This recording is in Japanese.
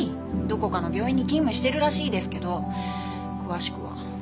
どこかの病院に勤務してるらしいですけど詳しくは。